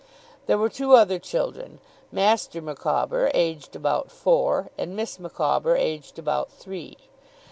There were two other children; Master Micawber, aged about four, and Miss Micawber, aged about three.